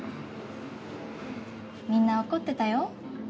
みんな怒ってたよ。